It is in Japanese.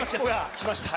きました。